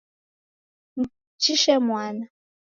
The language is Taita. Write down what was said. Mjishe mwana.